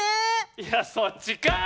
いやそっちかい！